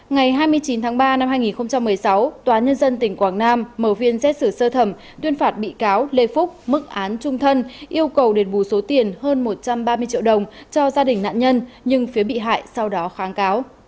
ngày hai mươi chín tháng ba năm hai nghìn một mươi sáu tòa nhân dân tỉnh quảng nam mở phiên xét xử sơ thẩm tuyên phạt bị cáo lê phúc mức án trung thân yêu cầu đền bù số tiền hơn một trăm ba mươi triệu đồng cho gia đình nạn nhân nhưng phía bị hại sau đó kháng cáo